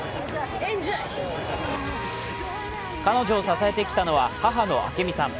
彼女を支えてきたのは、母の明美さん。